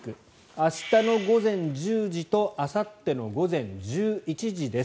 明日の午前１０時とあさっての午前１１時です。